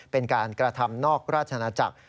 เป็นการกระทำนอกราชนาจักร